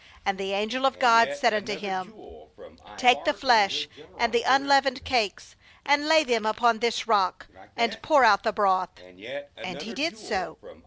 20And the angel of God said unto him: 'Take the flesh and the unleavened cakes, and lay them upon this rock, and pour out the broth.' And he did so.